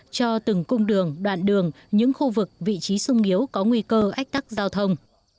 cho từng cung đường đoạn đường những khu vực vị trí sung yếu có nguy cơ ách tắc giao thông